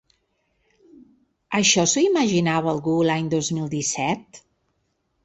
Això s’ho imaginava algú l’any dos mil disset?